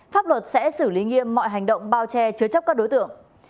pháp luật sẽ xử lý nghiêm mọi hành động bao che chứa chấp các đối tượng